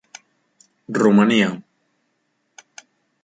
Romania.